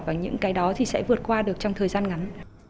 và những cái đó thì sẽ vượt qua được trong thời gian ngắn